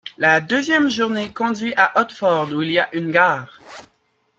La deuxième journée conduit à Otford, où il y a une gare.